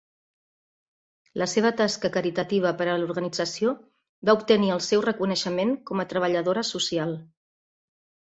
La seva tasca caritativa per a l'organització va obtenir el seu reconeixement com a treballadora social.